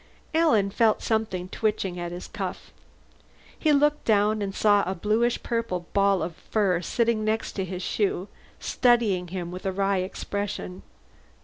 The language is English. Alan felt something twitching at his cuff. He looked down and saw a bluish purple ball of fur sitting next to his shoe, studying him with a wry expression.